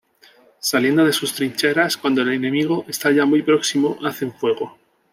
Saliendo de sus trincheras cuando el enemigo está ya muy próximo hacen fuego.